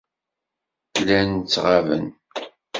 Llan ttɣaben.